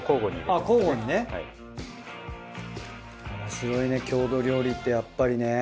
おもしろいね郷土料理ってやっぱりね。